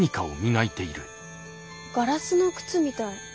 ガラスの靴みたい。